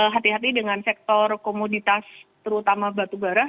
hati hati dengan sektor komoditas terutama batubara